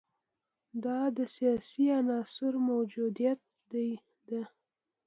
دا د سیاسي عنصر موجودیت ده.